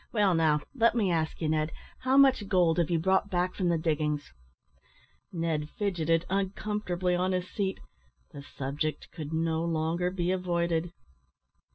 "Well, now, let me ask you, Ned, how much gold have you brought back from the diggings?" Ned fidgeted uncomfortably on his seat the subject could no longer be avoided.